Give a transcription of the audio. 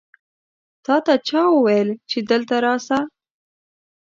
تا ته چا وویل چې دلته راسه؟